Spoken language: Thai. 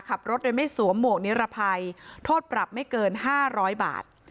ขับรถโดยไม่สวมหมวกนิรภัยโทษปรับไม่เกิน๕๐๐บาท